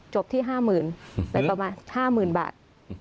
จบที่๕หมื่นไปประมาณ๕หมื่นบาท